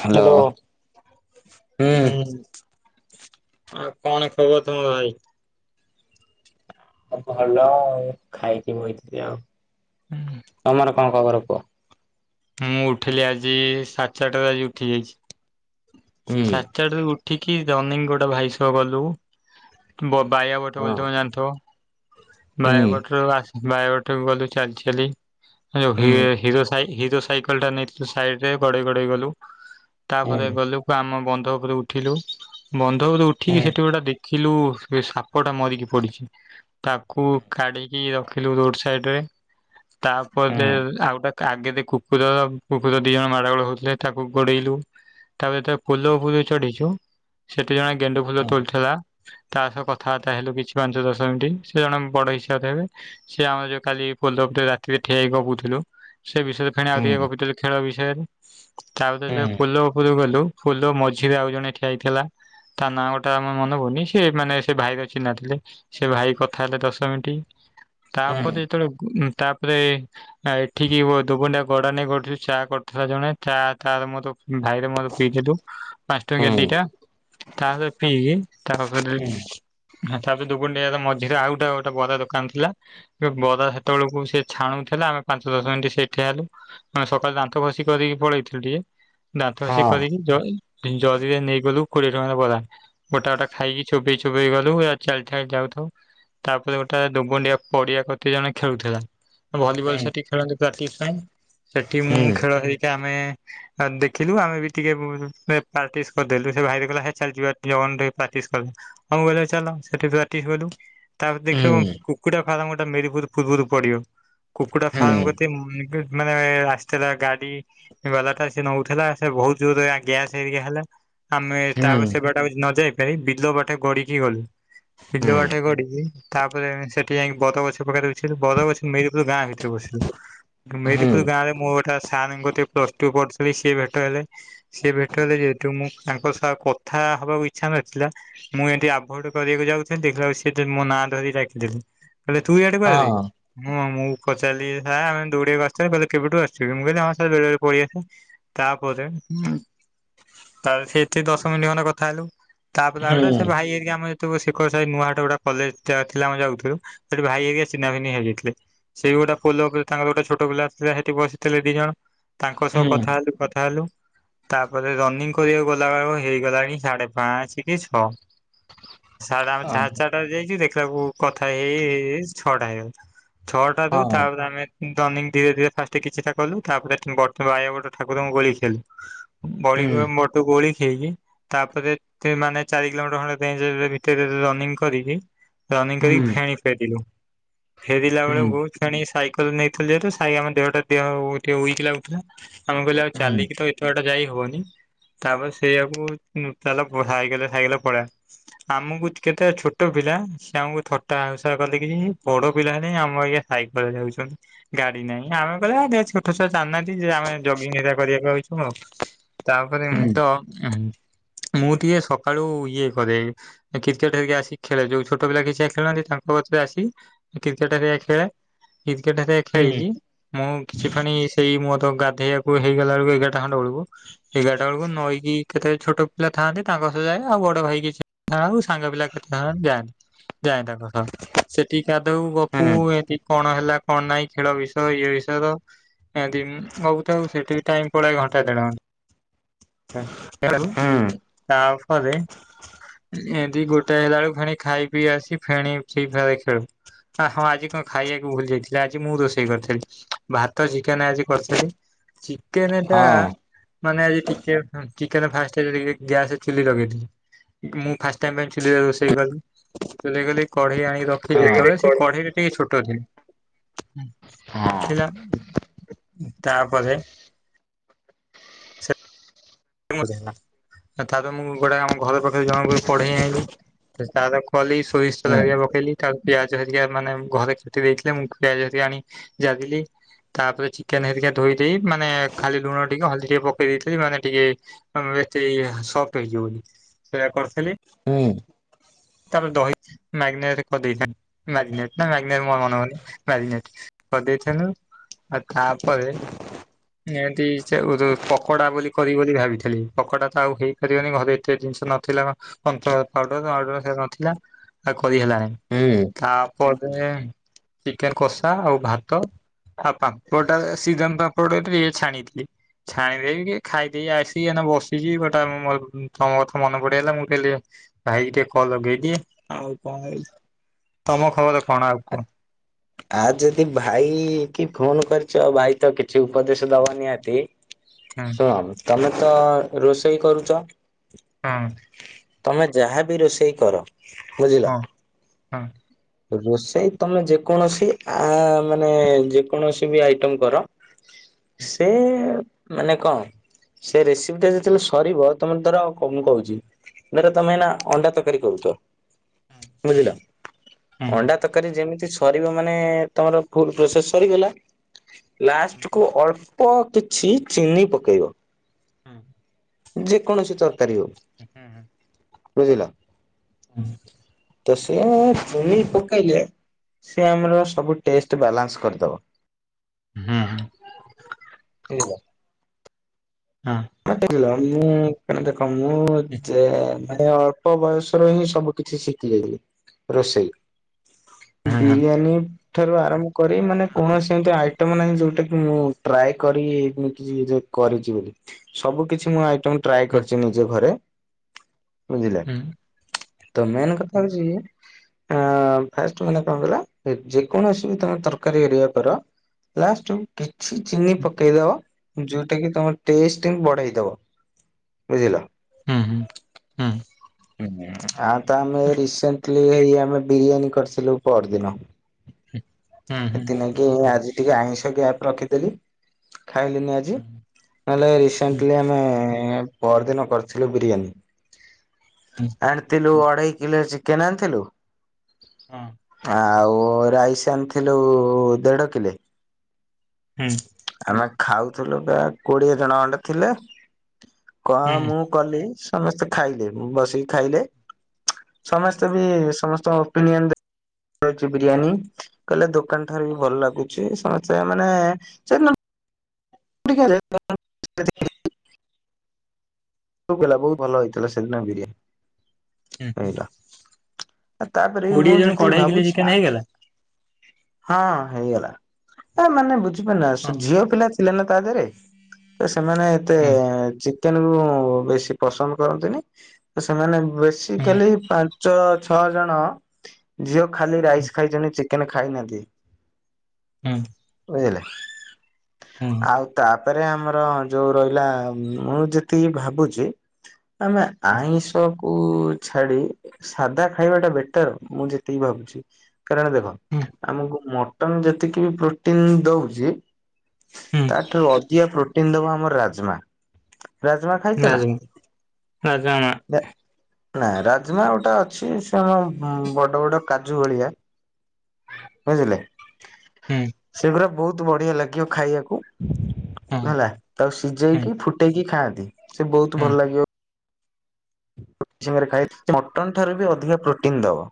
Hello. Hello ହୁଁ ହୁଁ। ଆଉ କଣ ଖବର ତମର ଭାଇ? ଅ ଭଲ ଆଉ ଖାଇକି ବଇଥିଲି ଆଉ ତମର କଣ ଖବର କୁହ? ମୁଁ ଉଠିଲି ଆଜି ସା ଚାରିଟାରେ ଆଜି ଉଠି ଯାଇଚି। ହୁଁ ସା ଆଡେରୁ ଉଠିକି ରାନୀଙ୍ଗ ଗୋଟେ ଭାଇ ସହ ଗଲୁ। ବ ବାଇଆ ବୋଠ ହଁ ବ ତମେ ଜାଣଥିବ। ହୁଁ ବାୟାବଠ୍ ରୁ ଆସ ବାୟାଗଟ ଗଲୁ ଚାଲ୍ ଚାଲି ଯୋଉ ହି ହୁଁ ହିର ସାଇ ହିରୋ ସାଇକଲ୍ ଟା ନେଇଥିଲୁ ସାଇଡ୍ ରେ ଗଡେଇ ଗଡେଇ ଗଲୁ ହୁଁ ତାପରେ ଗଲୁ ଆମ ବନ୍ଧ ଉପରେ ଉଠିଲୁ ବନ୍ଧ ଉପରେ ଉଠିକି ସେଠି ଗୋଟେ ଦେ ଖିଲୁ ସେ ସାପ ଟା ମରିକି ପଡ଼ିଚି। ତାକୁ କାଡ଼ିକି ରଖିଲୁ ରୋଡ୍ ସାଇଡ୍ ରେ ତାପରେ ଆଉ ଆଗେ ଦେ କୁକୁର ର କୁକୁର ଦିଇ ଜଣ ମାଡ଼ ଗୋଳ ହଉଥିଲେ ତାକୁ ଗୋଡ଼େଇଲୁ ତାପରେ ତକ ପୋଲ ଉପରକୁ ଯୋଉ ଚଢ଼ିଚୁ ସେଠି ଜଣେ ଗେଣ୍ଡୁ ଫୁଲ ତୋଳଥିଲା। ତା ସହ କଥାବାର୍ତ୍ତା ହେଲୁ କିଛି ପାଞ୍ଚ ଦଶ ମିଣ୍ଟି ସେ ଜଣେ ବଡ ହିସାବରେ ହେବେ। ସିଏ ଆମର ଯଉ କାଲି ପଲୋ ଉପରେ ରାତିରେ ଠିଆ ହେଇିକ ଗପୁଥୁଲି। ସେ ବିଷୟରେ ଫେଣି ଆଉ ଟିକେ ହୁଁ। ଗପିଥିଲୁ ଖେଳ ବିଷୟରେ ତାପରେ ଯୋଉ ପୋଲ ଉପୁରକୁ ଗଲୁ ଫୁଲ ମଝିରେ ଆଉ ଜଣେ ଠିଆ ହେଇଥିଲା। ତା ନାଁ ଗୋଟେ ଆମ ମନେ ପଡୁନି ସିଏ ମାନେ ସେ ଭାଇର ଚିହ୍ନା ଥିଲେ। ସେ ଭାଇ କଥା ହେଲେ ଦଶ ମିଣ୍ଟି ତାପରେ ଯେତେବେଳେ ଗୁ ତାପରେ ଆ ଏଠିକି ବୋ ଧୋବଣ୍ଡା ଗଡାଣି ରେ ଗଡୁ ଚା କରୁଥିଲା ଜଣେ ଚା ତାର ମୋର ଭାଇର ମୋର ପି ଦେଲୁ ପାଞ୍ଚ ଟଙ୍କିଆ ଦିଟା ତାରେ ପିଇକି ତାପରେ ହ୍ନା ତାପରେ ଦୁଗୁଣ୍ଡି ମଝିରେ ଆଉ ଗୋଟା ଗୋଟେ ବରା ଦୋକାନ ଥିଲା। ବରା ହେତେଳକୁ ସେ ଛାଣୁଥିଲା ଆମେ ପାଞ୍ଚ ଦଶ ମିନିଟ୍ ସେଠି ଠିଆ ହେଲୁ। ମାନେ ସକାଳୁ ଦାନ୍ତ ଘଷି କରିକି ପଳେଇଥିଳୁ ଟିକେ ଦାନ୍ତ ଘସି ହଁ। ଯ ଜରିରେ ନେଇ ଗଲୁ କୋଡ଼ିଏ ଟଙ୍କାରେ ବରା। ଗୋଟା ଗୋଟା ଖାଇକି ଚୋବେଇ ଚୋବେଇ ଗଲୁ ଇଆଡ଼େ ଚାଲ୍ ଚାଲି ଯାଉ ଥାଉ। ତାପରେ ଗୋଟେ ଦୁବୁଣ୍ଡିଆ ପଡ଼ିଆ କତିରେ ଜଣେ ଖେଳୁଥିଲା। ଭଲିବଲ୍ ସେଠି ଖେଳନ୍ତି ପ୍ରାଟିସ୍ ପାଇଁ ସେଠି ମୁଁ ଖେଳ ହେଇକି ଆମେ ଆ ଦେଖିଲୁ ଆମେ ବି ଟିକେ ପ୍ରାର୍ଟିସ୍ କରିଦେଲୁ ସେ ଭାଇ ହେରିକା ଚାଲ୍ ଯିବା ଟି ଅଣ୍ଡେ ପ୍ରାଟିସ୍ କରିବା। ଆଉ ହେଲା ଚାଲ ସେଠି ପ୍ରାଟିସ୍ କଲୁ। ତାପରେ ଦେଖିବ ମୋ କୁକୁଡା ଫାର୍ମ ଗୋଟା ମେରି ପୁର୍ ପୃର୍ବରୁ ପଡିବ। କୁକୁଡା ଫାର୍ମ କତିକି ମୋନିପ୍ଲାଣ୍ଟ ମାନେ ଆସିଥିଲା ଗାଡି। ଯିବାକଥା ସେ ଉଠେଇଲା ସେ ବହୁ ଜୋରରେ ଗ୍ୟାସ୍ ହେଇକି ହେଲା ଆମେ ତାପରେ ସେ ବାଟେ। ତା ନ ଯାଇ ପାରି ବିଲ ବାଟେ ଗଡିକି ଗଲୁ। ବିଲ ବାଟେ ଗଡିକି ତାପରେ ସେଠି ଯାଇଁକି ବର ଗଛ ପାଖରେ ଗଛରେ ବର ଗଛ। ମେରି ପୁରୁ ଗାଁ ଭିତରେ ବସିଗଲୁ। ମେରିପୁର୍ ଗାଁରେ ମୋର ଗୋଟା ସାରଙ୍କ କତିରେ ପ୍ଲସଟୁ ପଢୁଥିଲି ସିଏ ଭେଟ ହେଲେ। ସିଏ ଭେଟ ହେଲେ ଯେହେତୁ ମୁଁ ତାଙ୍କ ସହ କଥା ହବାକୁ ଇଚ୍ଛା ନଥିଲା। ମୁଁ ଏଠିଁ ଆଭୋଏଡ କରିବାକୁ ଯାଉଥଛି ଦେଖିଲାବେଳକୁ ସିଏ ଜେ ମୋ ନାଁ ଧରି ଡାକିଲେଣି। କହିଲେ ତୁ ଇଆଡେ କୁଆଡେ ବେ? ହଁ ମୁଁ ପଚାରିଲି ସାର ଆମେ ଦୌଡିବାକୁ ଆସ୍ତିଲୁ କହିଲେ କେବେଠୁ ଆସିିଚୁ କିରେ ମୁଁ କହିଲି ହଁ ସାରେ ବେଳେ ବେଳେ ପଳେଇଆସେ। ତାପରେ। ହୁଁ ତାପରେ ସେଠିଁ ଦଶ ମିନିଟ୍ ଖଣ୍ଡେ କଥା ହେଲୁ ତାପରେ ଆଉ ଗୋଟେ ସେ ଭାଇ ହେରିକା ଆମଏଁ ତୁ ସେକର ସାଇ ନୂଆ ହାଟ ଗୋଟେ କଲେଜ ଥିଲା ଥିଲା ଆମେ ଯାଉଥିଲୁ ସେଠି ଭାଇ ହେରିକା ଚିନ୍ହା ଚୀନ୍ହି ହେଇଯାଇଥିଲେ। ସେ ଗୋଟା ପୋଲ ଉପରେ ତାଙ୍କର ଗୋଟେ ଛୋଟ ପିଲା ଆସିଥିଲା ସେଠିଁ ବସିଥିଲେ ଦି ଜଣ। ତାଙ୍କ ସହ କଥା ହେଲୁ କଥା ହେଲୁ। ତାପରେ ରନିଂ କରିବାକୁ ଗଲାବେଳକୁ ହେଇଗଲାଣି ସାଢେ ପାଞ୍ଚ କି ଛଅ ସାଡେ ଆମେ ସାଢେଚାରିଟା ରେଯାଇଛୁ ଦେଖିଲାବେଳକୁ କଥା ହେଇ ହେଇ ହେଇ ଛଅଟା ହେଇଗଲା। ଛଅ ଟା ରୁ ତା ପରେ ଆମେ ଧନି ଧୀରେ ଧୀରେ ଫାଷ୍ଟ କିଛିଟା କଲୁ ତାପରେ ବର୍ତ୍ତ ବାୟ ଗଟ ଠାକୁରଙ୍କୁ ଗୋଳେଇ ଖେଳୁ ବଳି ଙ୍କର ମୋଟୁ ଗୁଳିକି କିଏ କି? ତାପରେ ଏତେ ମାନେ ଚାରି କିଲୋମିଟର ଖଣ୍ଡେ ର୍ରେଞ୍ଚ ର ଭିତରେ ରନିଙ୍ଗ କରିକି ରନିଙ୍ଗ କରିିକି ଫେଣେ ଫେରିଲୁ। ଫେରିଲା ବେଳକୁଫୁଣି ସାଇକେଲ ନେଇଥିଲୁ ଯେହେତୁ ସାଇ ଆମ ଦେହଟା ଦେହ ଉଇକ୍ ଲାଗୁଥିଲା। ଆମେ କହିଲୁ ଆଉ ଚାଲିକି ତ ଏତେ ଏତେ ବାଟଯାଇ ହବନି ତାପରେ ସେଇଆକୁ ନୁଁ ଚାଲ ବଢାହେଇଗଲା ସାଇକେଲ ପଳା ଆମକୁ କେତେ ଛୋଟ ପିଲା ସେ ଆମକୁ ଥଟା ହାଉସା କଲେକି ବଡ ପିଲା ହେଲେ ଆମ ପରି ସାଇକେଲ ରେ ଯାଉଛନ୍ତି। ଗାଡି ନାହିଁ ଆମେ କହିଲେ ହେଁ ଦିଅ ଛୋଟଛୁଆଁ ଜାଣିନାହାନ୍ତି ଆମେ ଜଗିଂ ହେରିକା କରିବାକୁ ଆଉଚୁ। କଣ ହଁ ତାପରେ ତ ଉଁ ହୁଁ। ମୁଁ ଟିକେ ସକାଳୁ ଇଏ କରେ। କ୍ରିକେଟ ହେରିକା ଆସି ଖେଳେ ଯୋଉ ଛୋଟ ପିଲା କିଛି ଖେଳନ୍ତି ତାଙ୍କ କତିରେ ଆସି। କ୍ରିକେଟ୍ ହେରିକା ଖେଳେ। କ୍ରିକେଟ୍ ହେରିକା ଖେଳିକି ମୁଁ କିଛି ଫେଣି ସେଇ ମୋର ଗାଧୋଇବାକୁ ହେଇଗଲା ବେଳକୁ ଏଗାରଟା। ଏଗାର ଖଣ୍ଡେ ବେଳକୁ ଏଗାରଟା ବେଳକୁ ନଈକି କେତେ ଛୋଟ ପିଲା ଥାଆନ୍ତି ତାଙ୍କ ସହ ଯାଏ ଆଉ ବଡ ଭାଇ କିଛି ଥାଉଁ ସାଙ୍ଗ ପିଲା କେତେଥାଏ ଯାଆନ୍ତି ଯାଏ ତାଙ୍କ ସହ ସେଠି ଗାଧୋଉ ଗପୁ ଏଠିଁ କଣ ହେଲା କଣ ନାହିଁ ଖେଳ ବିଷୟ ଇଏ ବିଷୟ ଏମିତି ମଁ ଗପୁ ଥାଉଁ ସେଠିଁ ଟାଇମ୍ ପଳାଏ ଘଣ୍ଟେ ଦେଢ ଘଣ୍ଟା ଉଁ ଆଉ ଆଉ ତାପରେ ଏମିତି ଗୋଟାଏ ହେଲା ବେଳକୁ ଫେଣି ଖାଇ ପିଇ ଆସି ଫେଣି ଫ୍ରି ଫେୟାର ଖେଳୁ। ଆ ହଁ ଆଜି କଣ ଖାଇବାକୁ ମୁଁ ଭୁଲି ଯାଇଥିଲି ଆଜି ମୁଁ ରୋଷେଇ କରିଥେଲି ଭାତ ଚିକେନ ଆଜି କରିଥେଲି। ଚିକେନେ ଟା ମାନେ ଆଜି ଟିକେ ଉଁ ଚିକେନ ଫାଷ୍ଟେ ଯାଇକରୀ ଗ୍ୟାସ ଚୁଲି ଲଗେଇଥିଲି ମୁଁ ଫାଷ୍ଟ ଟାଇମ୍ ପାଇଁ ଚୁଲି ରେ ରୋଷେଇ କଲି ଚୁଲି ରେ ଗଲି କଢେଇ ଆଣି ରଖ ସେ ଯେତବେଳେ ସେ କଢେଇରେ ଟିକିଏ ଛୋଟଟେ ହୁଁ ଥିଲି ତାପରେ କାମଥିଲା ତାପରେ ମୁଁ ଗୋଟେ ଆମ ଘର ପାଖରେ ଜଣକୁ ପଢେଇ ଆଇଲି ତାର କଲି ସୋରିଷତେଲ ହେରିକା ପକେଇଲି ତାପରେ ପିଆଜ ହେରିକା ମାନେ ଘରେ କାଟି ଦେଇଥିଲେ ମୁଁ ପିଆଜହେରିକା ଆଣି ଜାଗିଲି ତାପରେ ଚିକେନ ହେରିକା ଧୋଇ ଦେଇେ ମାନେ ଖାଲି ଲୁଣ ଟିକେ ହଳଦୀ ଟିକେ ପକେଇ ଦେଇଥିଲି ମାନେ ଟିକେ ମାନେଏତେ ସଫ୍ଟ ହେଇଯିବ ବୋଲି ସେରା କରିଥିଲି ହୁଁ। ତାପରେ ଦହି ମ୍ୟାଗନେଟ କରିଦେଇଥାନ୍ତି ମ୍ୟାଗନେଟ୍ ନା ମ୍ୟାଗନେଟନା ମନେ ରହୁନି ମ୍ୟାରି ନେଟ୍ କରିଦେଇଥେଲୁ ଆଉ ତାପରେ ଏମିତି ପକୋଡ଼ା ବୋଲି କରିିବି ବୋଲି ଭାବିଥେଲି ପକୋଡ଼ାତ ଆଉ ହେଇ କରିହବନି ଘରେ ଏତେ ଜିନିଷ ନଥିଲା କନ୍‌ଫ୍ଲୋର ପାଉଡର ମାଉଡ଼ର ନଥିଲା ଆଉ କରିହେଲାନି ତାପରେ ଚିକେନ କଷା ଆଉ ଭାତ ଆଉ ପାମ୍ପଡ଼ଟା ଶୀରାମ ପାମ୍ପଡରେ ଛାଣିଥିଲି ଛାଣିଦେଇକି ଖାଇଦେଇ ଆସିକିଏଇନେ ବସିଚି ବଟ୍ ତମ କଥା ମନ ପଡ଼ିଗଲା ମୁଁ କହିଲି ଭାଇ କିଟିକେ କଲ୍ ଲଗେଇଦିଏ ଆଉ କଣ ତମ ଖବର କଣ ଆଉ କୁହ। ଆ ଯଦି ଭାଇକି ଫୋନ୍ କରିଚ ଭାଇତ କିଛି ଉପଦେଶ ଦବ ନିହାତି ହୁଁ ଶୁଣ ତମେତ ରୋଷେଇ କରୁଚ? ହଁ। ତମେ ଯାହାବି ରୋଷେଇ କର ବୁଝିଲ ହଁ ହଁ। ରୋଷେଇ ତମେ ଯେକୌଣସି ଆ ମାନେ ଯେକୌଣସିବି ଆଇଟମ୍ କର ସେ ମାନେ କଁ? ସେ ରେସିପିଟା ଯେତେବେଳେ ସରିବ ତମେତର କଁ କହୁଚି? ଧର ତମେ ଏଇନା ଅଣ୍ଡା ତରକାରୀ କରୁଚ ବୁଝିଲ। ହୁଁ ଅଣ୍ଡା ତରକାରୀ ଯେମିତି ସରିବ ମାନେ ତମର ଫୁଲ୍ ପ୍ରସେସ୍ ସରିଗଲା ଲାଷ୍ଟକୁ ଅଳ୍ପ କିଛି ଚିନି ପକେଇବ। ଯେକୌଣସି ତରକାରୀ ହଉ। ହୁଁ ହୁଁ। ବୁଝିଲ ହୁଁ ତସେ ଚିନି ପକେଇଲେ ସେଆମର ସବୁ ଟେଷ୍ଟ ବାଲାନ୍ସ କରିଦବ। ହୁଁ ହୁଁ ହୁଁ ବୁଝିଲ। ହୁଁ। ମୁଁ ତମେ ଦେଖ ମୁ ଯେ ମାନେ ଅଳ୍ପ ବୟସରହିଁ ସବୁ କିଛି ଶିଖି ଯାଇଥିଲି ରୋଷେଇ। ବିରିୟାନୀ ଠାରୁ ଆରମ୍ଭ କରି ମାନେ କୌଣସି ଏମିତି ଆଇ ଟମ୍ ନାଇଁ ଯୋଉଟାକି ମୁଁ ଟ୍ରାଏ କରି କିଛି କରିଚି ବୋଲି। ସବୁ କିଛି ମୁଁ ଆଇଟମ ଟ୍ରାଏ କରିଚି ନିଜେ ଘରେ। ବୁଝିଲେ ତମେନ୍ କଥା ହଉଚି ଆଁ - ଆଁ ଫାଷ୍ଟ ମାନେ କଣକଇଁଲ ଯେକୌଣସିବି ତମେ ତରକାରୀ [unintelligible] କର ଲାଷ୍ଟକୁ କିଛି ଚିନି ପକେଇ ଦବ ଯୋଉଟାକି ତମ ଟେଷ୍ଟେକୁ ବଢ଼େଇ ଦେବ ବୁଝିଲ। ହୁଁ ହୁଁ। ହୁଁ ଆଉତ ଆମେ ରିସେଣ୍ଟଲି ହେଇ ଆମେ ବିରିୟାନୀ କରିଥିଲୁ ପର୍ ଦିନ। ହୁଁ ହୁଁ। ଆଜି ଟିକେ ଆଇଁଷ ଗ୍ୟାପ୍ ରଖିଦେଲି ଖାଇଲିନି ଆଜି ଆଜି ନହେଲେ ରିସେଣ୍ଟଲି ଆମେ ପର ଦିନ କରିଥିଲୁ ବିରିୟାନୀ। ଆଣିଥିଲୁ ଅଢେଇ କିଲେ ଚିକେନେ ଆଣିଥିଲୁ। ଆଉ ରାଇସି ଆଣିଥିଲୁ ଦେଢ କିଲେ। ହୁଁ। ଆମେ ଖାଉଥିଲୁ ବା କୋଡିଏ ଜଣ ଖଣ୍ଡେ ଥିଲେ। କଣ ହୁଁ ହୁଁ ମୁଁ କଲି ସମସ୍ତେ ଖାଇଲେ ବସିକି ଖାଇଲେ ଚ୍ ସମସ୍ତେ ବି ସମସ୍ତଙ୍କ ଓପିନିଅନ ଦେ ବିରିୟାନୀ କହିଲେ ଦୋକାନ ଠାରୁ ବି ଭଲ ଲାଗୁଛି ସମସ୍ତେ ମାନେ [unintelligible] ପି [unintelligible] ସବୁ ପିଲା ବୋ ଭଲ ହେଇଥିଲା ସେଦିନ ବିରିଆ ହୁଁ ଏଇଟା ତାପରେ ମୁଁ କୋଡିଏ ଜଣ ଯେତିକି କଢେଇ କିଲେ ଭାବୁଛି ଚିକେନ ନା। ହେଇଗଲା ହଁ ହେଇଗଲା ମାନେ ବୁଝିପାରୁନା ସେ ଝିଅ ପିଲା ଥିଲେ ନା ତା ଦେହରେ ତ ସେମାନେ ଏତେ ହଁ ଚିକେନ କୁ ବେଶୀ ପସନ୍ଦ କରନ୍ତିନି ସେମାନେ ହୁଁ ବେଶିକାଲି ପା ପାଞ୍ଚ ଛଅ ଜଣ ଝିଅ ଖାଲି ରାଇସି ଖାଇଛନ୍ତି ଚିକେନ ଖାଇନାହାନ୍ତି। ହୁଁ। ବୁଝିଲେ? ହୁଁ ଆଉ ତାପରେ ଆମର ଯୋଉ ରହିଲା ମୁଁ ଯେତିକି ଭାବ ବୁଚି ଆମେ ଆଇଁଷ କୁ ଛାଡି ସାଧା ଖାଇବା ଟା ବେଟର ମୁଁ ଯେତିକି ଭାବୁଛି। କାରଣ ଦେଖ ହୁଁ ଆମକୁ ମଟନ ଯେତିକି ବି ପ୍ରୋଟିନି ଦଉଚି ହୁଁ ତାଠାରୁ ଅଧିକା ପ୍ରୋଟିନି ଦବ ଆମର ରାଜମା ରାଜମା ଖାଇଛ ନା? ରାଜମ ରାଜମା। ନା ରାଜମା ଗୋଟେ ଅଛି ସେ ଆମ ବଡ଼ ବଡ଼ କାଜୁ ଭଳିଆ। ବୁଝିଲେ ହୁଁ ସେଗୁଡା ବହୁତୁ ବଢିଆ ଲାଗିବ ଖାଇବାକୁ। ହୁଁ ହେଲା ତାକୁ ହୁଁ ସିଝେଇକି ଫୁଟେଇକି ଖାଆନ୍ତି ସେ ବହୁତୁ ହୁଁ ଭଲ ଲାଗିବ। [unintelligible] ଖାଏ ମଟନ ଠାରୁ ବି ଅଧିକ ପ୍ରୋଟିନ୍ ଦବ।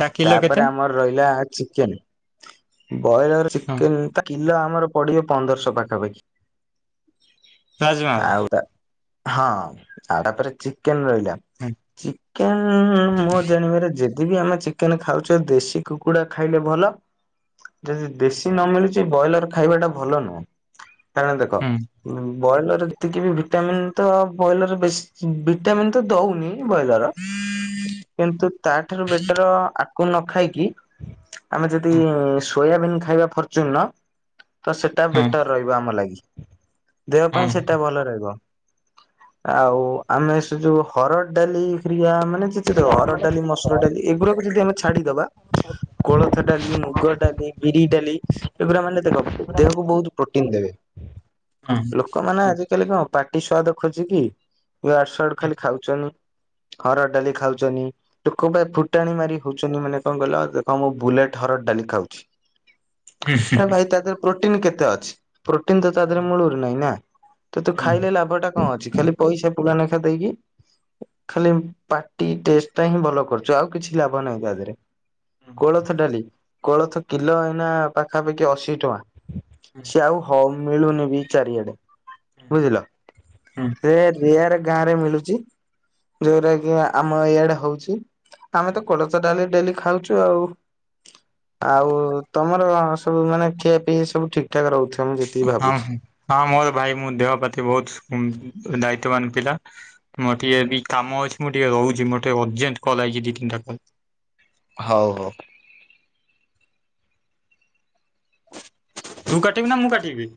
ତା କିଲୋ କେତେ ତାପରେ ଆମର ରହିଲା ଚିକେନେ ବଏଲର ହୁଁ ଚିକେନେଟା କିଲୋ ଆମର ପଡିବ ପନ୍ଦରଶହ ପାଖାପାଖି ରାଜମା ହୁଁ ଆଉ ହଁ ଆଉ ତା ପରେ ଚିକେନେ ରହିଲା ଚିକେନେ ମୋ ଜାଣିବାରେ ଯେ ଯେଦିବି ଆମେ ଚିକେନେ ଖାଉଛେ ଦେଶୀ କୁକୁଡ଼ା ଖାଇଲେ ଭଲ। ଯଦି ଦେଶୀ ନମିଳୁଚି ବ୍ରଏଲର ଖାଇବା ଟା ଭଲ ନୁହଁ କାରଣ ଦେଖ ହୁଁ ବ୍ରଏଲର ଯେତିକିବି ଭିଟାମିିନ ତ ବ୍ରଏଲର ବେଶି ଭିଟାମିିନ ତ ଦଉନି। ବଏଲର କିନ୍ତୁ ତା ଠାରୁ ବେଟର ଆକୁ ନଖାଇକି ଆମେ ଯଦି ସୋୟାବିନ୍ ଖାଇବା ଫର୍ଚୁନୁର ତ ସେଇଟା ହୁଁ ହୁଁ ବେଟର। ରହିବ ଆମ ଲାଗି ଦେହ ହୁଁ ହୁଁ ହୁଁ ପାଇଁ ସେଟା ଭଲ ରହିବ। ଆଉ ଆମେ ସେ ଯୋଉ ହରଡ଼ ଡାଲି ଫିଆ ମାନେ ଯେ ସେ ହରଡ଼ ଡାଲି ମସୁର ଡାଲି ଏଗାରାକୁ ଯଦି ଆମେ ଛାଡିଦବା କୋଳଥ ଡାଲି ମୁଗ ଡାଲି ବିରି ଡାଲି ଏଗୁଡା ମାନେ ଦେଖ ଦେହକୁ ବହୁତୁ ପ୍ରୋଟିନି ଦେବେ ହୁଁ ଲୋ ଲୋକମାନେ ଆଜିକାଲି କଣ ପାଟି ସ୍ୱାଆଦ ଖୋଜିକି ଇଆଡୁ ସଆଡୁ ଖାଲି ଖାଉଛ ହରଡ଼ ଡାଲି ଖାଉଚନି। ଲୋକଙ୍କ ଫୁଟାଣି ମାରି କହୁଛନ୍ତି ମାନେ କଣ କହିଲ ମୁଁ ବୁଲେଟ୍ ହରଡ଼ ଡାଲି ଖାଉଛି। ଆରେ ଭାଇ ତା ଦେହରେ ପ୍ରୋଟିନ କେତେ ଅଛି? ପ୍ରୋଟିନ ତ ତା ଦେହରେ ମୁଳରୁ ନାହିଁ ନା ତ ତୁ ଖାଇଲେ ଲାଭ ଟା କଣ ଅଛି ଖା ପଇସା ପ ନେଖା ଦେଇକି ଖାଲି ପାଟି ଟେଷ୍ଟ ପାଇଁ ଭଲ କରୁଛୁ ଆଉ କିଛି ଲାଭ ନାହିଁ ତା ଦେହରେ କୋଳଥ ଡାଲି। କୋଳଥ କିଲୋ ଏଇନା ପାଖାପାଖି ଅଶି ଟଙ୍କା ସିଏ ଆଉ ହଉନ ମିଳୁନି ବି ଚାରିଆଡେ ବୁଝିଲ ସେ ୟାର ଗାଁ ରେ ମିଳୁଛି। ଯୋଉଟା କି ଆମ ଇଆଡେ ହଉଛି ଆମେ ତ କୋଳଚ ଡାଲି ଡେଲି ଖାଉଛୁ ଆଉ। ଆଉ ତମର ସବୁ ମାନେ ଖିଆ ପିଇ ସବୁ ଠିକ ଠାକ ରହୁଛି [unintelligible] ହଁ ହଁ ମୋର ଭାଇ ମୁଁ ଦେହ ପ୍ରାତି ବହୁତ ଦାୟିତ୍ୱବାନ ପିଲା। ମୋର ଟିକେ ବି କାମ ଅଛି ମୁଁ ଟିକେ ରହୁଛି ଟିକେ ଅର୍ଜେଣ୍ଟ କଲ୍ ଆଇଛି ଦି ତିନିଟା କଲ ହଉ ହଉ। ତୁ କାଟିବି ନା ମୁଁ କାଟିବି?